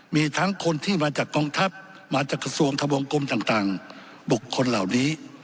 มีทั้งคนที่มาจากกองทัพมาจากกระทรวงทะวงกลมต่างบุคคลเหล่านี้